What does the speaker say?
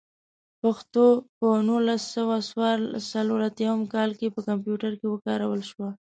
پښتو په نولس سوه څلور اتيايم کال کې په کمپيوټر کې وکارول شوه.